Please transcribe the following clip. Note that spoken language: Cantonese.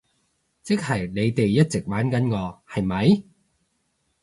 即係你哋一直玩緊我，係咪？